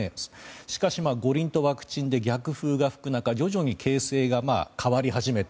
しかし、五輪とワクチンで逆風が吹く中徐々に形勢が変わり始めた。